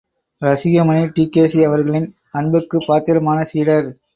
Rasikamani TKC அவர்களின் அன்புக்குப் பாத்திரமான சீடர்.